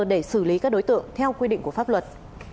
để xử lý các đối tượng theo quy định của pháp luật